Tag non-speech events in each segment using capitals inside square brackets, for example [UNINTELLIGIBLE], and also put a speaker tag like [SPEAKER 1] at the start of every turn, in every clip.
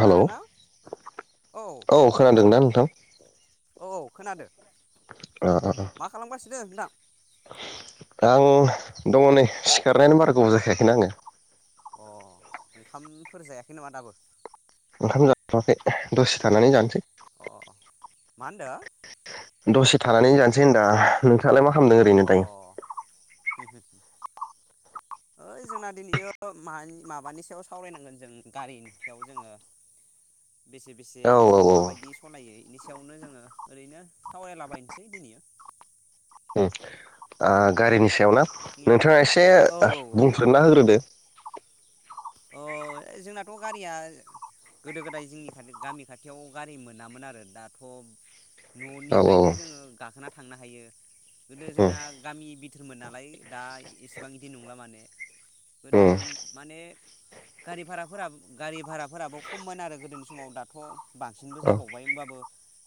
[SPEAKER 1] Hello औ खोनादों ना नोंथां?
[SPEAKER 2] औ खोनादो
[SPEAKER 1] आं
[SPEAKER 2] मा खालामगासिनो नोंथां?
[SPEAKER 1] आं दङ नै सिखारनायानो बारा गोबाव जाखायाखैना आङो
[SPEAKER 2] अ ओंखामफोर जायाखै नामा दाबो?
[SPEAKER 1] ओंखाम जाथवाखै दसे थानानै जानोसै।
[SPEAKER 2] अ मा होनदों?
[SPEAKER 1] दसे थानानै जानोसै होनदां। नोंथाङालाय मा खालामदों
[SPEAKER 2] अ
[SPEAKER 1] ओरैनो दायो
[SPEAKER 2] ओइ जोंना दिनैयो माबानि सायाव सावरायनांगोन जों गारिनि सायाव जोङो बेसे बेसे
[SPEAKER 1] औ औ
[SPEAKER 2] नोंसिनाव
[SPEAKER 1] औ
[SPEAKER 2] माबायदि सलायै? बेनि सायावनो जोङो ओरैनो सावरायलाबायनोसै दिनैयो।
[SPEAKER 1] आ गारिनिस याव ना
[SPEAKER 2] नोंलाय
[SPEAKER 1] नोंथाङा एसे
[SPEAKER 2] औ औ
[SPEAKER 1] बुंफोरना होग्रोदो
[SPEAKER 2] अ जोंनाथ' गारिया गोदो गोदाय जोंनि गामि खाथियाव गारि मोनामोन आरो दाथ'
[SPEAKER 1] औ औ
[SPEAKER 2] न'निफ्रायनो जोङो गाखोना थांनो हायो गोदो जोंना गामि बि थोरमोन नालाय दा इसेबां बिदि नंला माने गोदो
[SPEAKER 1] औ
[SPEAKER 2] माने गारि भाराफोरो गारि भाराफोराबो खममोन आरो गोदोनि समाव दाथ' बांसिनबो जाबावबाय होमबो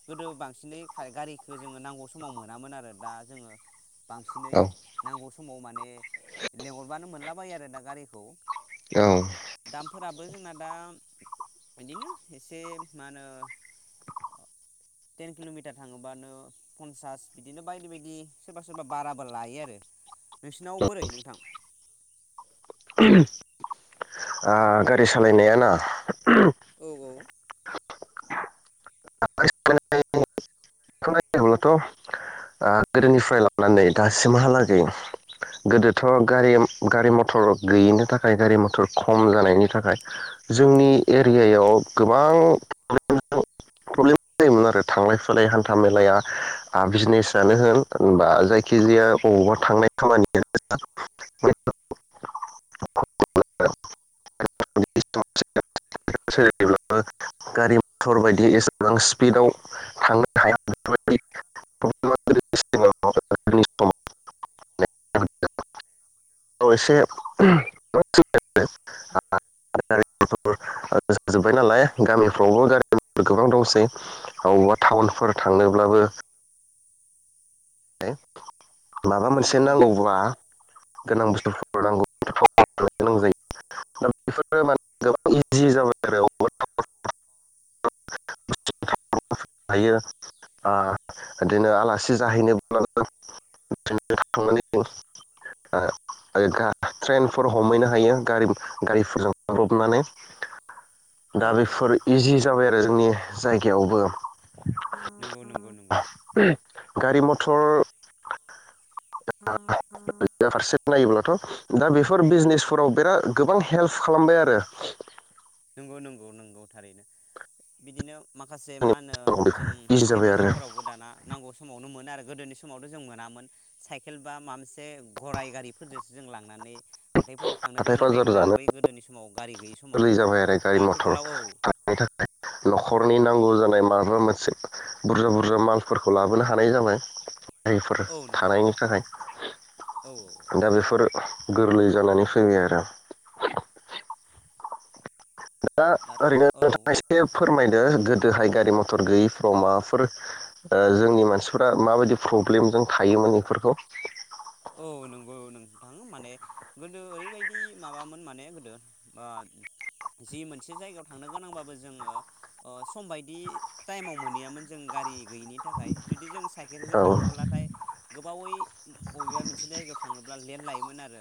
[SPEAKER 2] गोदो बांसिनै खा गारिखौ जोङो नांगौ समाव मोनामोन आरो दा जोङो बांसिनै
[SPEAKER 1] औ
[SPEAKER 2] नांगौ समाव माने लेंहरबानो मोनला बायो आरो दा गारिखौ। दामफोराबो जोंना दा बिदिनो एसे मा होनो टेन किल'मिटार थाङोबानो पनसास बिदिनो बायदि बायदि सोरबा सोरबा बाराबो लायो आरो नोंसिनाव बोरै नोंथां?
[SPEAKER 1] आ गारि सालायनाया ना
[SPEAKER 2] औ औ
[SPEAKER 1] खौ नायोब्लाथ' गोदोनिफ्राय लानानै दासिमहालागै गोदोथ' गारि गारि मथर गैयिनि थाखाय गारि मथर खम जानायनि थाखाय जोंनि एरियायाव गोबां प्रब्लेमाव आरो थांलाय फैलाय हान्था मेलाया बिजनेसानो होन होनबा जायखिजाया बबावबा थांनाय खामानिया गारि मथर बायदि एसेबां पिदाव थांनो हाया एसे गारि जाजोबबाय नालाय गामिफ्रावबो गारि गोबां दंसै अबावबा टाउनफोर थांनोब्लाबो देन माबा
[SPEAKER 2] नंगौ
[SPEAKER 1] मोनसे
[SPEAKER 2] नंगौ नोंथां
[SPEAKER 1] नांगौब्ला गोनां बुस्थुफोरग गोबां [UNINTELLIGIBLE] ओ बिदिनो आलासि जाहैनो [UNINTELLIGIBLE] ट्रेनफोर हमहैनो हायो गारिफोरजों थांब्रबनानै
[SPEAKER 2] औ
[SPEAKER 1] दा
[SPEAKER 2] औ
[SPEAKER 1] बेफोर इजि जाबाय आरो जोंनि जायगायावबो
[SPEAKER 2] नंगौ नंगौ नंगौ
[SPEAKER 1] गारि म टल फारसे नायोब्लाथ' दा बेफोर बिजनेसफोराव बिराद गोबां हेल्प खालामबाय आरो
[SPEAKER 2] नंगौ नंगौ नंगौ थारैनो बिदिनो माखासे मा होनोओ जों
[SPEAKER 1] इजि
[SPEAKER 2] हाथाय
[SPEAKER 1] जाबाय आरो
[SPEAKER 2] बाजारफोरावबो दाना नांगौ समावनो मोनो मोन आरो गोदोनि समावथ' जों मोनामोन साइकेल बा माबा मोनसे गराय गारिफोरजोंसो जों लांनानै हाथायफोराव थांनो
[SPEAKER 1] हाथाय
[SPEAKER 2] गोनां
[SPEAKER 1] बाजार
[SPEAKER 2] जायोमोन आरो
[SPEAKER 1] जानो
[SPEAKER 2] बै गोदोनि समाव गारि गैयि समाव
[SPEAKER 1] गोरलै
[SPEAKER 2] दा
[SPEAKER 1] गारि मथर
[SPEAKER 2] आथिखालाव औ
[SPEAKER 1] थानायनि थाखाय न'खरनि नांगौ जानाय म माबा मोनसे बुरजा बुरजा मालफोरखौ लाबोनो हानाय जाबाय। दा बेफोर
[SPEAKER 2] औ नंगौ
[SPEAKER 1] थानायनि
[SPEAKER 2] नोंथां
[SPEAKER 1] थाखाय
[SPEAKER 2] औ औ औ
[SPEAKER 1] दा बेफोर गोरलै जानानै फ [UNINTELLIGIBLE] दा
[SPEAKER 2] दाथ'
[SPEAKER 1] ओरैनो
[SPEAKER 2] औ
[SPEAKER 1] नोंथांङा एसे फोरमाय दो गोदोहाय गारि मथर गैयिफ्राव माबाफोर ओ जोंनि मानसिफ्रा माबायदि प्रब्लेमजों थायोमोन बेफोरखौ
[SPEAKER 2] औ नंगौ नोंथां माने गोदो ओरैबायदि माबामोन माने गोदो ओ जि मोनसे जायगायाव थांनो गोनांबाबो जोंङो ओ सम बायदि टाइमाव मोनहैयामोन जों गारि गैयिनि थाखाय जुदि जों साइकेलजों
[SPEAKER 1] औ
[SPEAKER 2] थांङोब्लाथाय गोबावै बबेबा मोनसे जायगायाव थांङोब्ला लेड लायोमोन आरो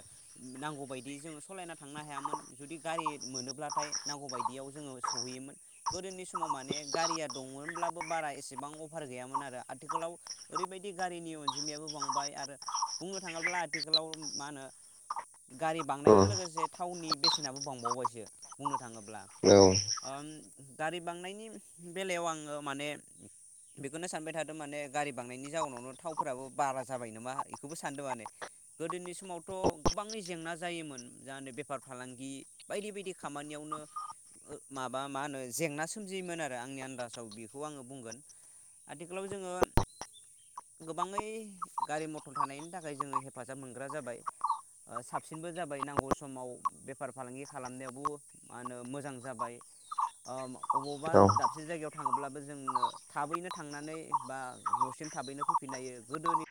[SPEAKER 2] नांगौ बायदि जोंङो सालायना थांनो हायामोन जुदि गारि मोनोब्लाथाय नांगौ बायदियाव जोंङो सहैयोमोन गोदोनि समाव माने गारिया दंमोनब्लाबो बारा एसेबां अफार गैयामोन आरो आथिखालाव ओरैबायदि गारिनि अनजिमायाबो बांबाय आर बुंनो थांङोब्ला आथिखालाव मा होनो गारि
[SPEAKER 1] औ
[SPEAKER 2] बांनायजों लोगोसे थावनि बेसेनाबो बांबावबायसो बुंनो थांङोब्ला
[SPEAKER 1] औ
[SPEAKER 2] गारि बांनायनि बेलायाव आंङो माने बेखौनो सानबाय थादों माने गारि बांनायनि जाउनावनो थावफोराबो बारा जाबाय नामा बेखौबो सानदों माने गोदोनि समावथ गोबाङै जेंना जायोमोन जे बेफार फालांगि बायदि बायदि खामानियावनो माबा मा होनो जेंना सोमजियोमोन आरो आंनि आन्दाजाव बेखौ आंङो बुंगोन आथिखालाव जोंङो गोबाङै गारि मथर थानायनि थाखाय जोंङो हेफाजाब मोनग्रा जाबाय साबसिनबो जाबाय नांगौ समाव बेफार फालांगि खालामनायावबो मा होनो मोजां जाबाय अबावबा
[SPEAKER 1] औ
[SPEAKER 2] दाबसे जायगायाव थांङोब्लाबो जोंनो थाबैनो थांनानै बा नसिम थाबैनो फैफिन हायो गोदोनि